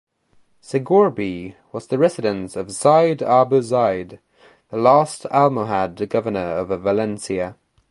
Segorbe was the residence of Zayd Abu Zayd, the last Almohad governor of Valencia.